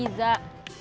biar tambah cantik